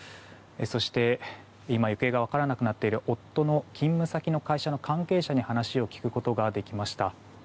そして、今行方が分からなくなっている夫の勤務先の関係者に話を聞くことができました。